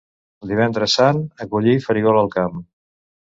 Divendres Sant, a collir farigola al camp.